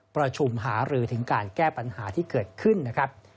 ประชุมหารือถึงการแก้ปัญหาที่เกิดขึ้นนะครับ